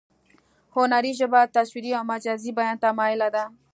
هنري ژبه تصویري او مجازي بیان ته مایله ده